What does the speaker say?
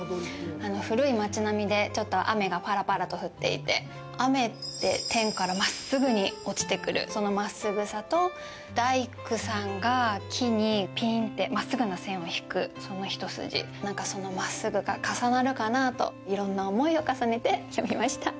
古い町並みでちょっと雨がぱらぱらと降っていて雨って天から真っすぐに落ちてくるその真っすぐさと大工さんが木にぴーんって真っすぐな線を引くその一筋、その真っすぐが重なるかなといろんな思いを重ねて詠みました。